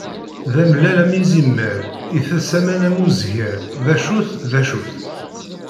D amellal am izimer, ites aman am uzger. D acu-t, d acu-t?